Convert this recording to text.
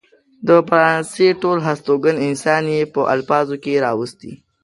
د فرانسې ټول هستوګن انسان يې په الفاظو کې راوستي.